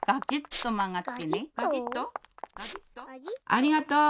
ありがとう。